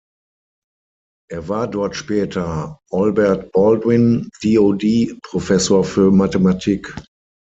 Er war dort später Albert-Baldwin-Dod-Professor für Mathematik.